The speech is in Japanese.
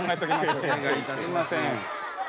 お願いいたします。